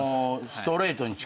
ストレートに近い。